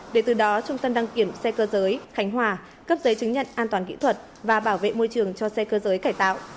để từ đó trung tâm đăng kiểm xe cơ giới khánh hòa cấp giấy chứng nhận an toàn kỹ thuật và bảo vệ môi trường cho xe cơ giới cải tạo